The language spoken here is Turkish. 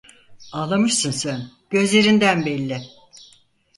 Ağlamışsın sen, gözlerinden belli.